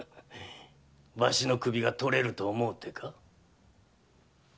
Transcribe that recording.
わしの首が取れると思うてか？